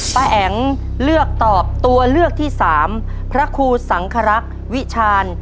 แอ๋งเลือกตอบตัวเลือกที่สามพระครูสังครักษ์วิชาญ